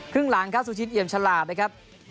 ครึ่งหลังครับสุชินเอี่ยมฉลาดนะครับ